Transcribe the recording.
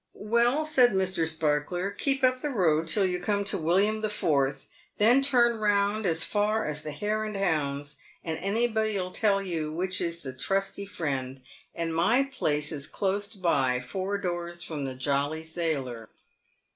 "Well," said Mr. Sparkler; "keep up the road till you come to the William the Fourth, then turn round as far as the Hare and Hounds, and anybody '11 tell you which is the Trusty Friend, and my place is close by, four doors from the Jolly Sailor."